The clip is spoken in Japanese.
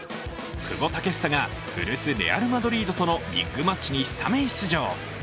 久保建英が古巣レアル・マドリードとのビッグマッチにスタメン出場。